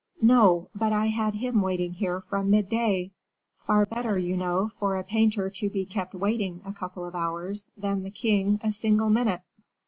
"No; but I had him waiting here from midday. Far better, you know, for a painter to be kept waiting a couple of hours than the king a single minute."